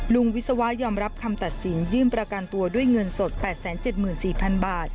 วิศวะยอมรับคำตัดสินยื่นประกันตัวด้วยเงินสด๘๗๔๐๐๐บาท